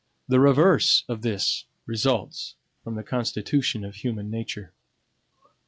The reverse of this results from the constitution of human nature.